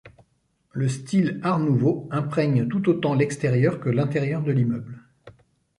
Le style Art nouveau imprègne tout autant l'extérieur que l'intérieur de l'immeuble.